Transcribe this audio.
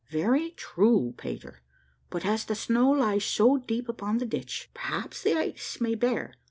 "Very true, Peter; but as the snow lies so deep upon the ditch, perhaps the ice may bear.